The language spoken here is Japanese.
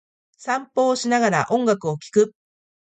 散歩をしながら、音楽を聴く。